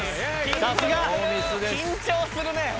さすが！緊張するね。